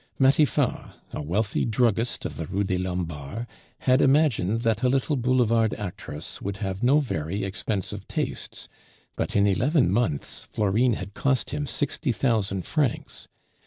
Matifat, a wealthy druggist of the Rue des Lombards, had imagined that a little Boulevard actress would have no very expensive tastes, but in eleven months Florine had cost him sixty thousand francs.